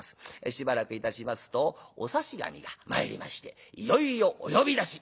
しばらくいたしますとお差し紙が参りましていよいよお呼び出し。